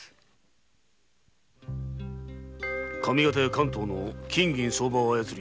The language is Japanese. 上方や関東の金銀相場を操り